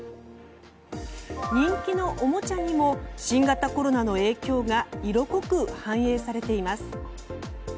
人気のおもちゃにも新型コロナの影響が色濃く反映されています。